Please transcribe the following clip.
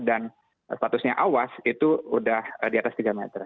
dan statusnya awas itu udah di atas tiga meter